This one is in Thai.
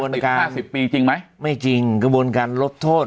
ติดห้าสิบปีจริงไหมไม่จริงกระบวนการลดโทษ